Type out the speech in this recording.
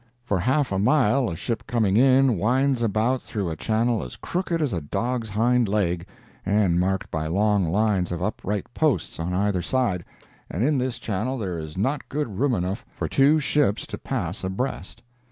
For half a mile a ship coming in winds about through a channel as crooked as a dog's hind leg, and marked by long lines of upright posts on either side, and in this channel there is not good room enough for two ships to pass abreast.